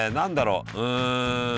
うん。